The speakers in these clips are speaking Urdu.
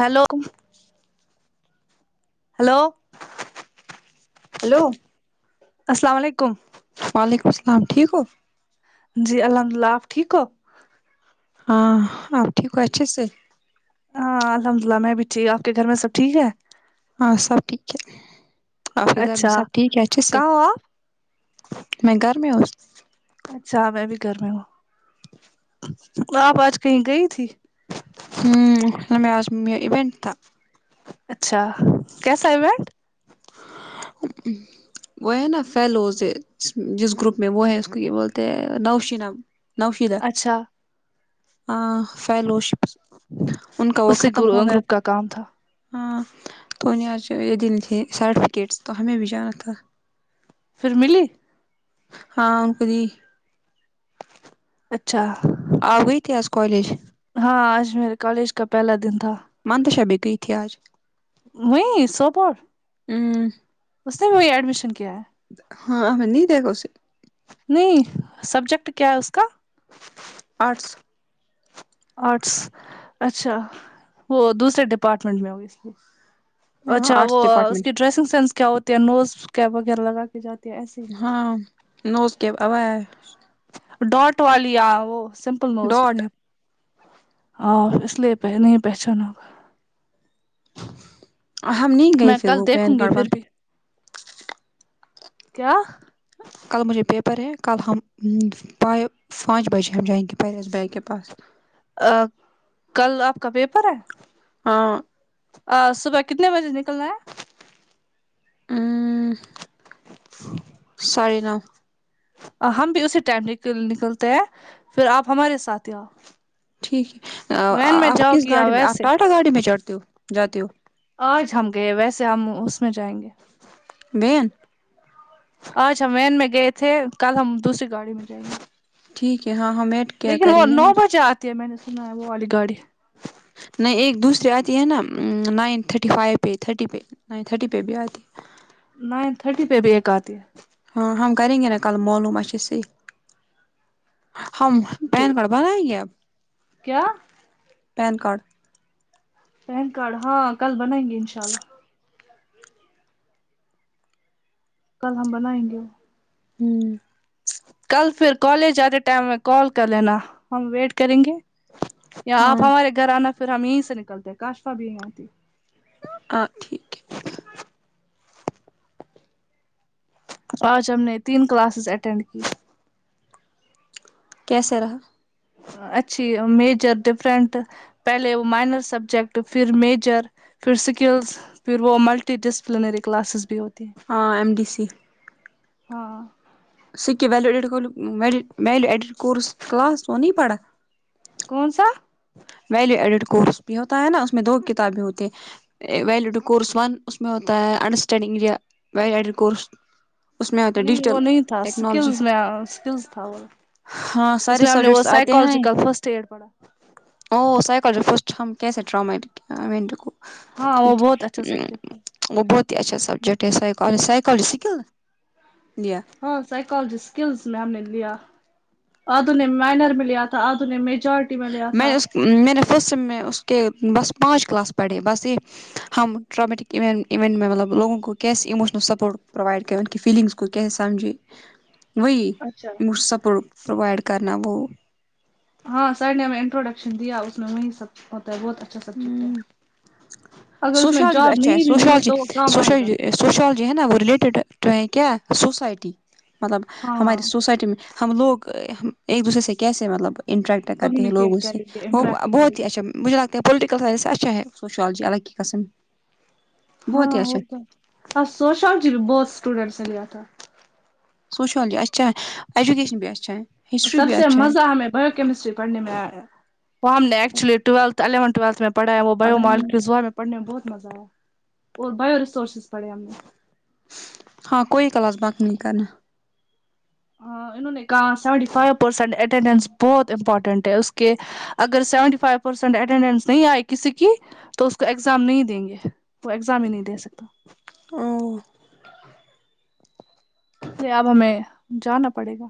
ہیلو ہیلو ہیلو السلام و علیکم وعلیکم السلام ٹھیک ہو جی الحمد للہ آپ ٹھیک ہو ہاں آپ ٹھیک ہو اچھے سے ہاں الحمد للہ میں بھی ٹھیک آپ کے گھر میں سب ٹھیک ہے ہاں سب ٹھیک ہے آپ کے گھر میں اچھا سب ٹھیک ہے اچھے سے کہاں ہو آپ میں گھر میں ہو اچھا میں بھی گھر میں ہوں آپ آج کہیں گئی تھی ہوں ہمیں آج ایونٹ تھا اچھا کیسا ایونٹ ہ وہ ہے نا فیلوز جس گروپ میں وہ ہے اس کو یہ بولتے ہیں نوشینہ نوشدا اچھا ہ فیلو ان کا وہ اس سے ختم ہو گیا گروپ تھا کا کام ہاں تو یہ دین تھے سرٹیفکیٹس تو ہمیں بھی جانا تہ پھر ملی ہاں ان کو دی اچھا اپ گئی تھی آج کالیج ہاں آج میرے کولیج کا پہلا دن تھا منتشا بھی تھی کیا آج [unintelligible] ہوں اس نے بھی وہی ایڈمیشن کیا ہے ہاں ہم نہیں دیکھا اسے نہیں سبجیکٹ کیا ہے اس کا ارٹس آرٹس اچھا وہ دوسرے ڈپارٹمنٹ میں ہوگی اسے اچھا وہ آرٹس ڈپارٹمنٹ اس کی ڈریسنگ سینس کیا ہوتی ہے نوز کیا وغیرہ لگا کے جاتی ہے ایسی ہاں نو اس کے او ہے ڈاٹ والی آ وہ سمپل نوز اس ڈاٹ میں آ اس لیے پہنی ہے پہچانا ہوگا ہم نہیں گئے میں پھر کل وہ پین دیکھوں گی کاربا پھر بھی کیا کل مجھے پیپر ہے کل ہم پائے پانچ بجے ہم جائیںن کہ پرس بھائی کے پاس ا کل آپ کا پیپر ہے ہاں آج صبح کتنے بجے نکلنا ہے ساڈے نو ہم بھی اسی ٹائم نکلتے ہیں پھر آپ ہمارے ساتھ ہی آ ٹھیک ہے آپ کس گی یا گاڑی میں آپ ویسے ٹاٹا گاڑی میں چڑھتے ہو جاتے ہو آج ہم گئے ویسے ہم اس میں جائیں گے بہن آچھا وین میں گئے تھے کل ہم دوسری گاڑی میں جائیں گے ٹھیک ہے ہاں ہم ایڈ کیا کریں گے نا کے میں نے سنا ہے وہ والی گاڑی نہیں ایک دوسرے آتی ہے نا نائن تھرٹی فائیو پہ تھرٹی پہ نائن تھرٹی پہ بھی آتی ہے نائن تھرٹی پہ بھی ایک آتی ہیں ہاں ہم کریں گے نا کل معلوم اچھے صیح ہم ہے پین کارڈ بنائیے اب کیا پین کارڈ پین کاڑھا کل بنائیں گے ان شاء اللہ کل ہم بنائیں گے ہمم کل پھر کالج آتے ٹائم میں کال کر لینا ہم ویٹ کریں گے یا ہاں آپ ہمارے گھر آنا پھر ہم یہیں سے نکلتے کاشفا بھی یہیں آتی آ ٹھیک ہے آج ہم نے تین کلاسز اٹینڈ کی کیسے رہا اچھی میجر ڈفرنٹ پہلے وہ مائنر سبجیکٹ پھر میجر پھر سکلز پھر وہ ملٹی ڈسپلنری کلاسز بھی ہوتی ہیں ہاں ایم ڈی سی ہاں سک کے ویلو ایڈٹو کھلو میل میل ایڈٹ کورس کلاس وہ نہیں پڑھا کون سہ ویلیو ایڈٹ کورس بھی ہوتا ہے نا اس میں دو کتابیں ہوتی ہے ویلیوڈو کورس ون اس میں ہوتا ہے انڈرسٹینڈنگ یا ویلیوڈو کورس اس میں ہوتا ہے نہیں وہ ڈیجیٹل نہیں تھا ٹیکنالوجی اسکلس میں اسکلس تھا وہ ہاں اس سارے میں ہم نے وہ سبجیکٹس آتے ہیں سائیکالوجیکل فرسٹ ایڈ پڑھا او سائکالج فسٹ ہم کسے ٹرمے ائی مین رکو ہاں وہ بہت اچھا سبجیکٹ ہے وہ بہت ہی اچھا سبجیکٹ ہے سائی کال سائ سائیکالوجی سکل یا ہاں سائیکالوجی اسکلس میں ہم نے لیا آدھو نے مائنر میں لیا تھا آدھو نے میجارٹی میں اس میں نے فسٹ سیم اس کے بس پانچ کلاس پڑھی بس یے ہم ٹرامٹک یونٹ یونٹ مطلب لوگوں کو کیسے اموشنل سپورٹ پرووائڈ کریں ان کی فیلنگس کو کسے سمجھے اچھا وہ سپورٹ پرووائڈ کرنہ وہ ہاں سر نے ہمیں انٹروڈکشن دیا اس میں وہیں سب ہوتا ہے بہت اچھا اچھا سبجیکٹ ہے ہوں اگر اس میں سوشالوجی جاب اچھا ہے نہیں بھی ملی سوشالوجی تو وہ کام آئے گا سوشالوجی سوشالوجی ہے نا وہ ریلیٹیڈ ٹو ہے کیا سوسائٹی مطلب ہماری ہاں سوسائٹی میں ہم لوگ ایک دوسرے سے کیسے مطلب انٹریکٹ کرتے ہیں کمیونیکیٹ لوگوں سے کریں گے وہ انٹریکٹ کریں بہت ہی گے اچھا مجھے لگتا ہے پولٹکل سائنس اچھا ہے سشالجی اللہ کی قسم بہت ہاں ہی وہ اچھا تو ہے پر سوشالوجی بھی بہت اسٹوڈینٹس نے لیا تھا سوشالجی اچھا ایجوکیشن بھی اچھا ہے ہسٹری سب بھی سے اچھا ہے مزہ ہمیں بائیوکمسٹری پڑھنے ایا ہے وہ ہم نے ایکچولی ی ٹویلو الیون تولوتھ پڑھایا وہ بیو پڑھائی مالکیزا ہمیں پڑھنے میں بہت مزہ آیا اور بیو ریسورسز پڑھے ہم نے ہاں کوئی کلاس بینق نہیں کرنا ہاں انہوں نے کہا سیونٹی فائیو پرسینٹ اٹینڈنس بہت امپورٹینٹ ہے اس کے اگر سیونٹی فائیو پرسینٹ اٹینڈینس نہیں آئے کسی کی تو اس کو ایگزام نہیں دیں گے وہ ایگزام ہی نہیں دے سکتا ہمم جی اب ہمیں جانا پڑے گا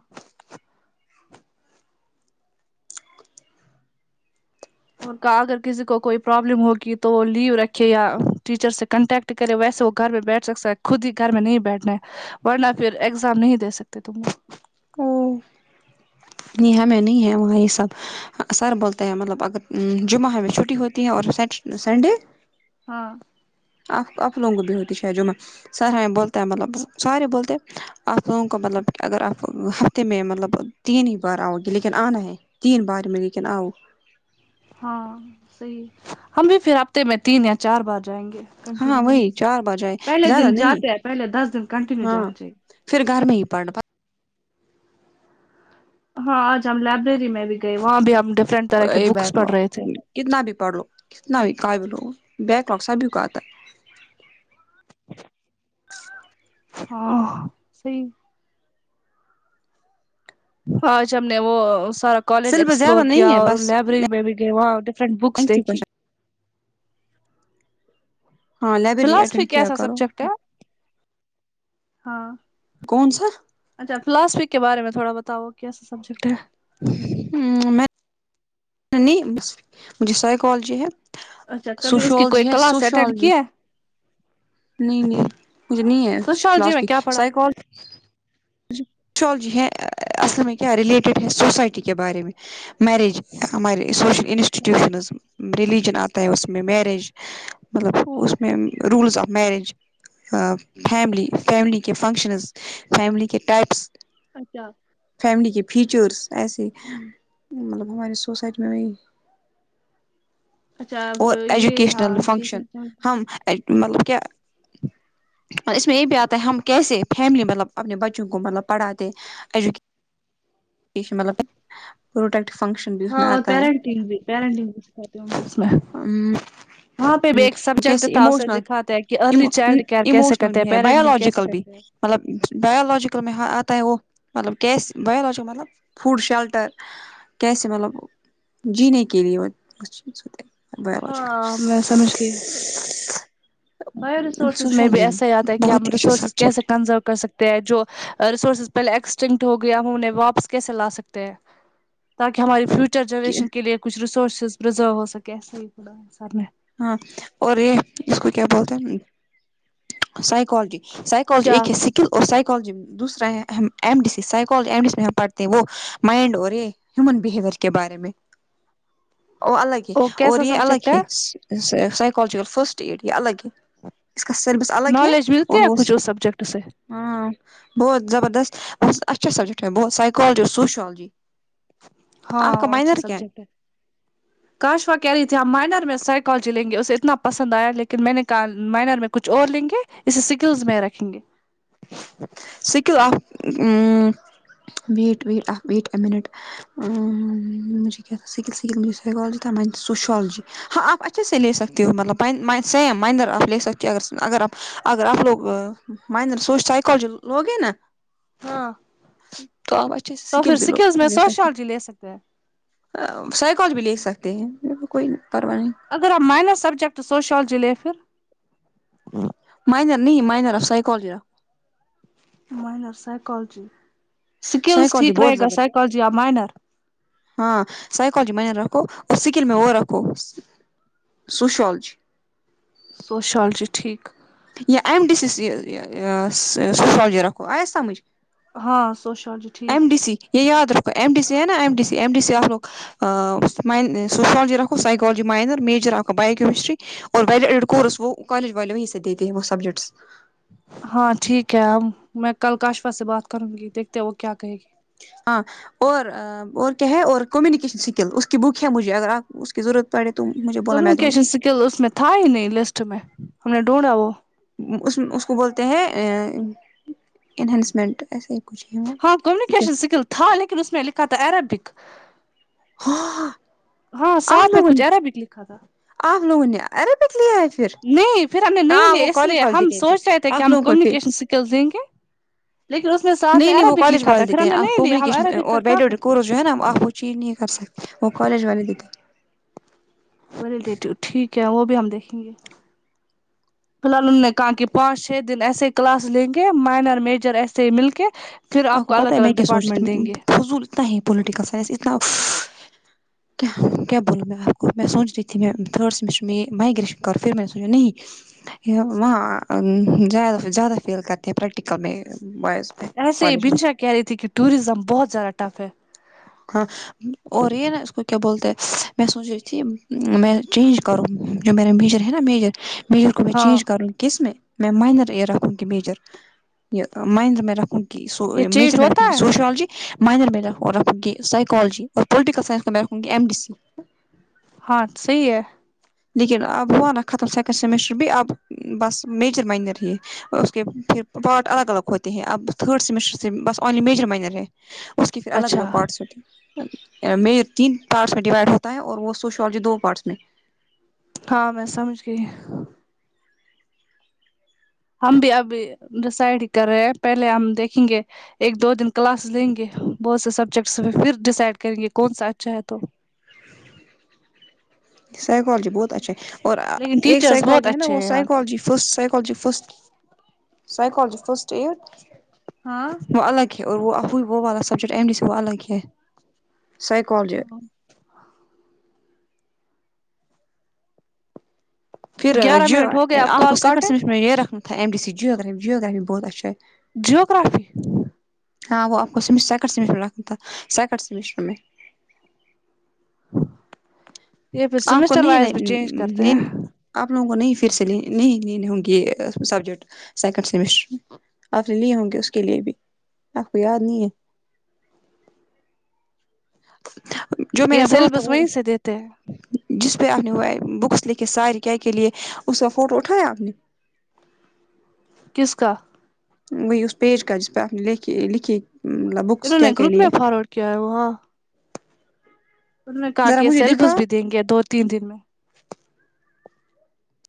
کا اگر کسی کو کوئی پرابلم ہوگی تو وہ لیو رکھے یا ٹیچر سے کنٹیکٹ کرے ویسے وہ گھر میں بیٹھ سکتا ہے خود ہی گھر میں نہیں بیٹھنا ہے ورنہ پھر ایگزام نہیں دے سکتے تم یہاں میں نہیں ہے وہاں یے سب سر بولتے ہیں مطلب اگر جمعہ ہمیں چھٹی ہوتی ہے اور سیٹ سنڈے ہاں سر ہمیں بولتے ہیں مطلب سارے بولتے ہیں [unintelligible] آپ لوگوں کو مطلب اگر آپ ہفتے میں مطلب تین ہی بار آؤ گے لیکن آنا ہے تین بار میں لیکن آؤ ہاں صحیح ہم بھی پھر ہفتے میں تین یا چار بار جائیں گے کنٹینیو ہاں نہیں وہی چار بار جائے پہلے زیادہ دن نہیں جاتے ہیں پہلے دس دن کنٹینیو ہاں جانا چاہیے پھر گھر میں ہی پڑنا ہاں آج ہم لائبریری میں بھی گئے وہاں بھی ہم ڈفرنٹ طرح کے یہ بکس بیک لاگ پڑھ رہے تھے کتنا بھی پڑھ لو کتنا بھی قاببل لو بیک لوگ سبھی کا آتا ہے ہاں سہی آج ہم نے وہ سارا کالج سلیبس زیادہ ایکسپلور کیا نہیں ہے اور بس لائبریری میں بھی گئے وہاں فرنٹ بکس لینتھی دیکھی کوشچن۔ ہاں لائبریری فلاسفی اٹینڈ کیا کیسا کرو سبجیکٹ ہے ہاں کونسا اچھا فلاسفی کے بارے میں تھوڑا بتاؤ کیسا سبجیکٹ ہے میں [inaudible] مجھے سائیکالوجی ہے اچھا کبھی اس کی کوئی سوشولوجی ہے کلاس اٹینڈ سوشولوجی کی ہے نہیں نہیں مجھے نہیں ہے سوشالوجی میں فلاسفی کیا پڑھاتے ہیں سائیکال سوشالوجی ہے اصل میں کیا ریلیٹیڈ ہے سوسائٹی کے بارے میں میریج ہمارے سوشل اچھا انسٹیٹیوشنز ریلجن آ اتا ہے اس میں میریج مطلب اس میں رولز آف میریج ا فیملی فیملی کے فنکشنز فیملی کے ٹائپس اچھا فیملی کے فیچرس ایسے مطلب ہماری سوسائٹی میں وہ اچھا آپ اور یہ ہاں ایجوکیشنل ٹھیک فنکشن ہے ہم مطلب کیا اس میں یہ بھی آتا ہے ہم کیسے فیملی مطلب اپنے بچ بچوں کومطلب پڑھاتے ہیں [unintelligible] پروٹیکٹ فنکشن بھی اس ہاں میں اور آتا ہے پیرنٹنگ بھی پیرنٹنگ بھی سکھاتے ہوں گے اس میں وہاں پہ بھی ایک سبجیکٹ کیسے تھا اسے ایموشنل دکھاتا ہے کہ ارلی چائلڈ کیئر کیسے ایموشنل کرتے ہیں بھی ہے پیرنٹنگ کیسے بایولوجیکل بھی کرتے ہیں مطلب بائیولوجیکل میں آتا ہے وہ مطلب بائیولوجیکل مطلب فوڈ شیلٹر کیسے مطلب جینے کے لیے بایولوجیکل ہاں میں سمجھ گئی بائیو ریسورسز میں بھی سوشالوجی ایسا ہی آتا ہے کہ بہت ہم ہی اچھا ریسورسز سبجیکٹ کیسے کنزرو کر سکتے ہیں جو ریسورسز پہلے ایکسٹنکٹ ہو گیا ہم انہیں واپس کیسے لا سکتے ہیں تاکہ ہماری فیوچر ہے جنریشن کے لیے کچھ ریسورسز پرزرو ہو سکے ایسے ہی سر نے ہاں اور یہ اس کو کیا بولتے ہیں سائیکالوجی سائیکالوجی کیا ایک ہے اسکل اور سائیکالوجی دوسرا ہے M D C psychology M D C میں ہم پڑھتے ہیں وہ مائنڈ اورے ہیومن بیہیویئر کے بارے میں وہ الگ ہی اور کیسا یہ الگ سبجیکٹ ہی ہے سائیکالوجیکل فسٹ ایڈ یہ الگ ہے اس کا سربس الگ ہے نالج ملتی اور ہے وہ کچھ اس سبجیکٹ سے ہاں بہت زبردست بہت اچھا سبجیکٹ ہے بہت سائیکالوجی اور سوشیالوجی ہاں وہ اچھا سبجیکٹ ہے کاشوا کہہ رہی تھی یہاں مائنر میں سائیکالوجی لیں گے اسے اتنا پسند آیا لیکن میں نے کہا مائنر میں کچھ اور لیں گے اسے سکلز میں رکھیں گے سکل آف بیٹ بیٹ آ بیٹ اے منٹ میںجھ کیا تھا سکل سکلھ سائیکالوجی تب میں سوشیالوجی ہاں آپ اچھے سے لے سکتی ہو مطلب سم مائنر آپ لے سکتی ہو ا اگر آپ اگر آپ لوگ مائنر سوش سائیکالوجی لوگے نا ہاں تو اپ اچھے تو پھر سکل [unintelligible] ب سکلز میں سوشیالوجی لے سکتے ہیں سائیکل بھی لے سکتے ہیں کوئی پرواہ نہیں اگر آ مائنر سبجیکٹ سوشیالوجی لے پھر مائنر نہیں مائنر اف سائیکالر مائنر سائیکالوجی اسکل سائیکالوجی ٹھیک رہے بہت گا زبر سائیکالوجی مائنر ہاں سائیکالوجی میں رکھو اور سکل میں وہ رکھو سوشالوجی سوشیالوجی ٹھیک ایم ڈی سی سوشیالوجی رکھو آیا سمجھ ہاں سوشالوجی ٹھیک ایم ہی ڈی سی یہ یاد رکھو ایم ڈی نا ایم ڈی ایم ڈی آ رگ سوشیالوجی رکھو سائیکالوجی مائنر میجر آکھو بایو کیمسٹری اور کورس وہ کالج والے وہیں سے دیتے ہیں وہ سبجیکٹس ہاں ٹھیک ہے ا میں کل کاشفا سے بات کروں گی دیکھتے ہیں وہ کیا کہے گی ہاں اور اور کیا ہے اور کمیونیکیشن اسکل اس کی بک ہے مجھے اگر آپ اس کی ضرورت پڑے تو مجھے بولا میں دوں گی ٹیل اس میں تھا ہی نہیں لسٹ میں ہم نے ڈھونڈا وہ اس اس کو بولتے ہیں اینہانسمنٹ ایسے ہی کچھ ہے وہ ہاں کمیونکیشن سکل تھا لیکن اس میں لکھا تھا عربک ہاں ہاں آپ ساتھ میں لوگوں نے کچھ عربک لکھا تھا آپ لوگوں نے عربک لیا ہے پھر نہیں پھر ہم نے نہیں ہاں وہ لے اس کالج لیے والے ہم دیتے ہیں پھر سوچ رہے تھے کہ آپ ہم لوگوں کو پھر کمیونکیشن س کل دیں گے لیکن اس میں ساتھ نہیں میں نہیں وہ عربک کالج لکھا تھا والے پھر دیتے ہم ہیں نے آپ نہیں لیا ہم کمیونیکیشن عربک کا اور کیا کرتے ویڈیوز جو ہے نا چی نہیں کر سکتی وہ کالج والے دی تھے والیدٹور ٹھیک ہے وہ بھی ہم دیکھیں گے فی الحال ہمنے کہا کہ پانچ چھ دن ایسے کلاس لیں گے مائنر میجر ایسے ہی مل کے پھر آپ کو پتہ الگ ہے میں الگ کیا ڈپارٹمنٹ سوچی دیں گے فضول اتنا ہی پولیٹیکا سائنس اتنا کیا بولو میں آپ کو میں سوچرہی تھی میں تھرڈ سمسٹر میں مگریشن کر پھر میں نے سوچا نہیں وہاں زیادہ سے زیادہ فیل کرتے ہیں پریکٹیکل میں بز ایسے ہی بنشا کہہ رہی تھی کہ ٹوریزم بہت زیادہ ٹف ہے خ اور یہ نا اس کو کیا بولتے ہے میں سوچرہی تھی میں چینج کروں جو میرا میجر ہے نا میجر میر کو میں ہاں چینج کرو کس میں میں مائنر یہ رکھوں کہ میجر یہ مائنر میں رکھوں س یہ میجر چینج میں ہوتا رہوں ہے سوشالوجی مائنر میر رہوں گی سائیکالوجی اور پوٹیکل سائنس میں ہونگی ایم ڈی سی ہاں صحیح ہے لیکن اب ہوا نا ختم سیکنڈ سمیسٹر بھی اب بس میجر مائنر ہی اور اس کے پھر پارٹ الگ الگ ہوتے ہیں اب تھرڈ سیمسٹر سے بس انلی میجر مینر ہے اس کی پھر الگ اچھا الگ پارٹس ہوتی م تین پارٹس میں ڈیوائڈ ہوتا ہے اور وہ سوشولوجی دو پارٹس میں ہاں میں سمجھ گئی ہم بھی ابھی ڈیسائڈ ہی کر رہے ہیں پہلے ہم دیکھیں گے ایک دو دن کلاس لیں گے بہت سے سبجیکٹس پھر ڈیسائڈ کریں گے کون سا اچھا ہے تو سائیکالوجی بہت اچھا ہے اور لیکن ایک ٹیچرس بہت سائیکالوجی ہے نا اچھے وہ ہیں یہاں کے psychology first psychology first psychology first ایتھ ہاں وہ الگ ہے اور وہ وہ والا سبجیکٹ ایم ڈ سے وہ الگ ہے سائیکالوجی ہاں پھر گیارہ جو منٹ ہو گئے آپ کو کال سیکنڈ کاٹے سمسٹر میں یہ رکھنا تھا ایم ڈی سی جیوگراف جیوگررافی بہت اچھا ہے جیوگررافی ہاں وہ آپ کو سم سیکنڈ سیمسٹر رکھنا تھا سیکنڈ سیمسٹر میں یہ پھر آپ کو سمسٹر وائز بھی چینج کرتے نہیں ہیں آپ لوگوں کو نہیں فر سے نی نہیں لینے ہوں گے سبجیکٹ سیکنڈ سیمسٹر آپ نے لیے ہوں گے اس کے لیے بھی آپ کو یاد نہیں ہے جو میں یہ نے بولا تھا سیلیبس وہ وہیں سے دیتے ہیں جس پہ آپ نے وہ آیا بکس لکھی سارے کیا کے لیے اس کا فوٹو اٹھایا آپ نے کس کاا وہ اس پیج ک جس پ آ اپ نے لیکے لکھکے مطلب بکس انہوں کیا نے کیا گروپ لے میں فارورڈ کیا وہاں انہونے کہا ذرا کے مجھے سیلبس دکھاؤ بھی دیں گے دو تین دن میں